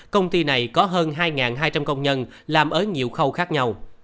công ty này có hơn hai hai trăm linh công nhân làm ở nhiều khâu khác nhau